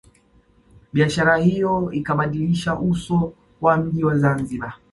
Biashara hiyo ikabadilisha uso wa mji wa Zanzibar